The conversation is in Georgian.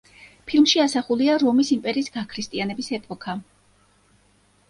ფილმში ასახულია რომის იმპერიის გაქრისტიანების ეპოქა.